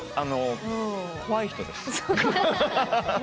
怖い人です。